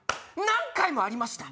何回もありました。